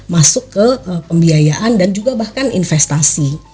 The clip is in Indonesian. masuk ke pembiayaan dan juga bahkan investasi